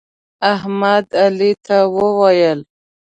احمد علي ته وویل: